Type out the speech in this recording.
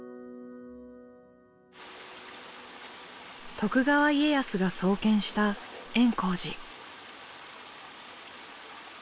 徳川家康が創建した圓光寺。